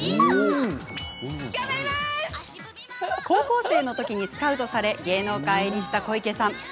高校生のときスカウトされ芸能界入りした小池さん。